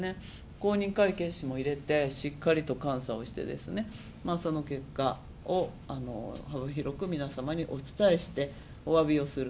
公認会計士も入れて、しっかりと監査をしてですね、その結果を広く皆様にお伝えして、おわびをする。